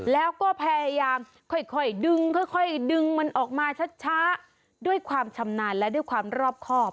แล้วก็พยายามค่อยดึงค่อยดึงมันออกมาช้าด้วยความชำนาญและด้วยความรอบครอบ